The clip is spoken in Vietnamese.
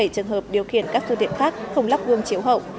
năm mươi bảy trường hợp điều khiển các thu tiện khác không lắp gương chiếu hậu